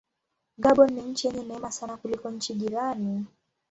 Gabon ni nchi yenye neema sana kuliko nchi jirani.